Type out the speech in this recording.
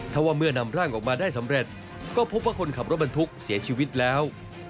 ถ้าว่าเมื่อนำร่างออกมาได้สำเร็จก็พบว่าคนขับรถบรรทุกเสียชีวิตแล้ว